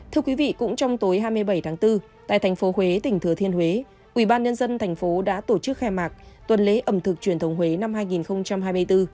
thưa quý vị cũng trong tối hai mươi bảy tháng bốn tại thành phố huế tỉnh thừa thiên huế ubnd tp đã tổ chức khai mạc tuần lễ ẩm thực truyền thống huế năm hai nghìn hai mươi bốn